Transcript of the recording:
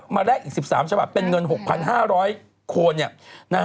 แลกอีก๑๓ฉบับเป็นเงิน๖๕๐๐คน